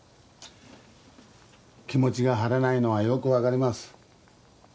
気持ちが晴れないのはよく分かります